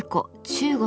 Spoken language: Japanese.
中国